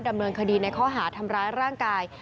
ดำเนินคดีในข้อหาทำร้ายร่างกาย